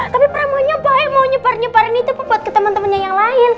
tapi premannya baik mau nyebar nyebarin itu buat ke temen temennya yang lain